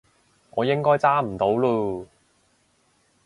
我應該揸唔到嚕